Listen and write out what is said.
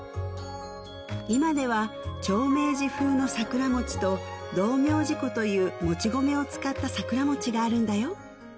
今では長命寺風の桜餅と道明寺粉というもち米を使った桜餅があるんだよ